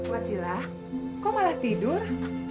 wasila kok malah tidur